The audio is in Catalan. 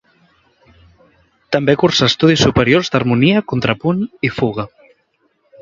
També cursà estudis superiors d’harmonia, contrapunt i fuga.